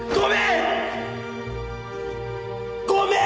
ごめん！